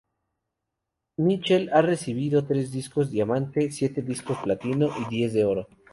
Michel ha recibido tres discos diamante, siete discos platino y diez de oro.